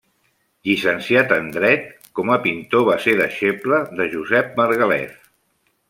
Llicenciat en dret, com a pintor va ser deixeble de Josep Margalef.